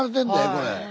これ。